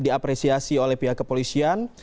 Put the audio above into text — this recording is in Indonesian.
diapresiasi oleh pihak kepolisian